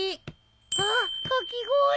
あっかき氷。